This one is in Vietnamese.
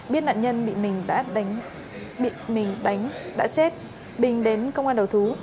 biết nạn nhân bị mình đánh đã chết bình đến công an đầu thú